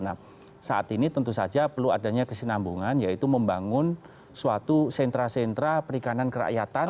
nah saat ini tentu saja perlu adanya kesinambungan yaitu membangun suatu sentra sentra perikanan kerakyatan